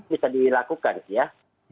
bisa dilakukan ya